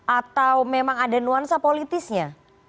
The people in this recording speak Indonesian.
atau memang ada nuansa politisnya